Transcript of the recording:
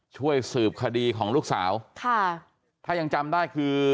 ช่วยสืบคดีของลูกสาวค่ะถ้ายังจำได้คือ